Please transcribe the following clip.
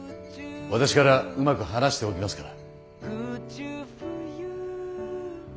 私からうまく話しておきますから。